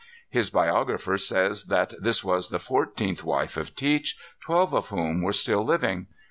His biographer says that this was the fourteenth wife of Teach, twelve of whom were still living.